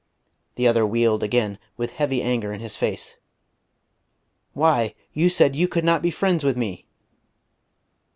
The other wheeled again, with heavy anger in his face. "Why, you said you could not be friends with me!"